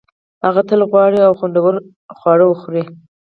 هغه تل غوره او خوندور خواړه خوري